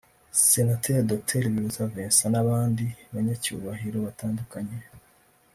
Senateri Dr Biruta Vincent n’abandi banyacyubahiro batandukanye